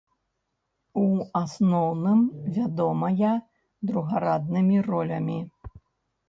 У асноўным вядомая другараднымі ролямі.